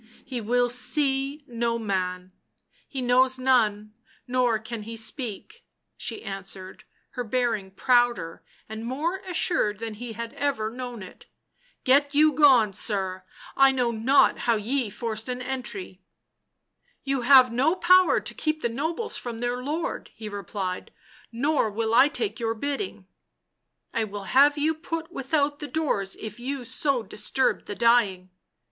£/ He will see no man — he knows none nor can he speak," she answered, her bearing prouder and more assured than he had ever known it. " Get you gone, sir; I know not how ye forced an entry." " You have no power to keep the nobles from their lord," he replied. " Nor will I take your bidding." " I will have you put without the doors if you so disturb the dying."